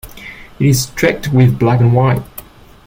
It is streaked with black and white.